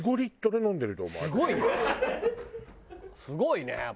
すごいね。